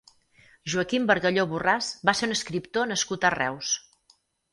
Joaquim Bargalló Borràs va ser un escriptor nascut a Reus.